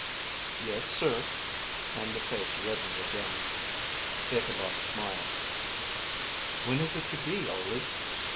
"Yes, sir." And the face reddened again. Ichabod smiled. "When is it to be, Ole?"